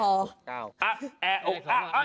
แอดดีกว่า